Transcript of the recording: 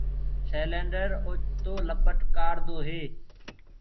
سيلينڊر اوچتو لپٽ ڪآڙدو هي۔